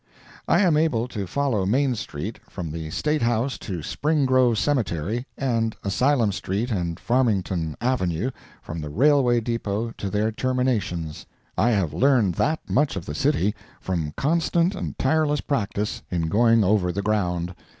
I am able to follow Main street, from the State House to Spring Grove Cemetery, and Asylum street and Farmington avenue, from the railway depot to their terminations. I have learned that much of the city from constant and tireless practice in going over the ground.